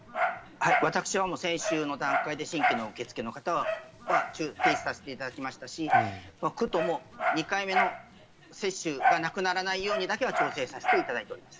私はもう先週の段階で新規の方の接種予約は停止させていただきましたし区と２回目の接種がなくならないようにだけは調整させていただいています。